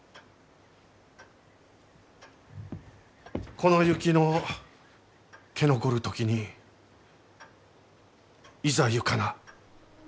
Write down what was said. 「この雪の消残る時にいざ行かな」。